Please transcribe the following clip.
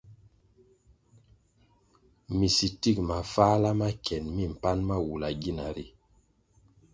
Minsitik mafáhla ma kien mi mpan ma wula gina ri.